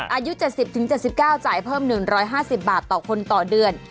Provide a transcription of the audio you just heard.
อายุ๗๐๗๙จ่ายเพิ่ม๑๕๐บาทต่อคนต่อเดือน